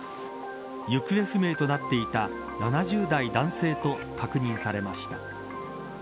行方不明となっていた７０代男性と確認されました。